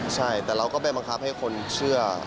ใช่แต่เราก็ไปบังคับให้คนเชื่อ